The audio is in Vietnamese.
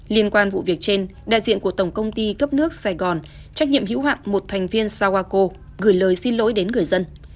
liên quan vụ việc trên đại diện của tổng công ty cấp nước sài gòn trách nhiệm hữu hạn một thành viên sawako gửi lời xin lỗi đến người dân